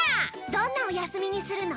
どんなお休みにするの？